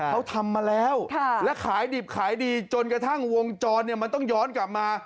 เขาทำมาแล้วและขายดิบขายดีจนกระทั่งวงจรมันต้องย้อนกลับมา